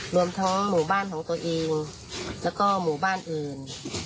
รวมทั้งหมู่บ้านของตัวเองแล้วก็หมู่บ้านอื่น